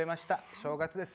正月です。